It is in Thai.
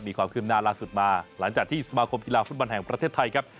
มีความคืบหน้าล่าสุดมาหลังจากที่สมาคมกีฬาฟุตบอลแห่งประเทศไทยครับ